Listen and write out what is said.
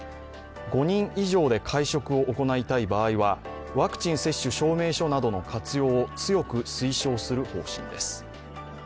５人以上で会食を行いたい場合はワクチン接種証明書などの活用を強く推奨する方針です。